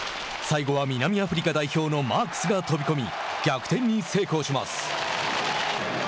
最後は南アフリカ代表のマークスが飛び込み逆転に成功します。